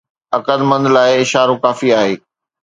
عقلمند لاءِ اشارو ئي ڪافي آهي